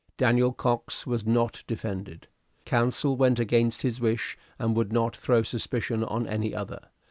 Daniel Cox was not defended. Counsel went against his wish, and would not throw suspicion on any other.